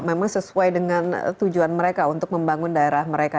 memang sesuai dengan tujuan mereka untuk membangun daerah mereka